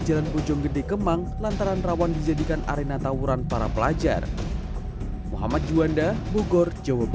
jalan bojonggede kemang lantaran rawan dijadikan arena tawuran para pelajar muhammad juwanda bogor